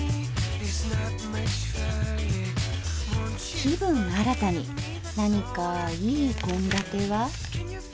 気分新たに何かいい献立は？